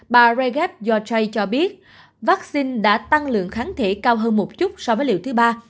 bà jaref yorjai cho biết vắc xin đã tăng lượng kháng thể cao hơn một chút so với liều thứ ba